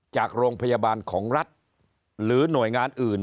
จากโรงพยาบาลของรัฐหรือหน่วยงานอื่น